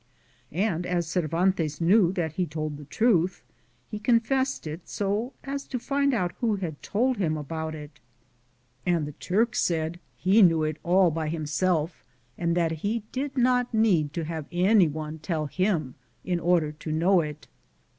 And aa Cervantes knew that he told the truth, he confessed it bo as to find out who had told him about it, and the Turk said he knew it all by himself and that he did not need to have anyone tell him in order to know it.